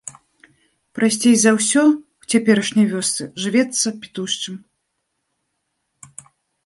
Прасцей за ўсё ў цяперашняй вёсцы жывецца пітушчым.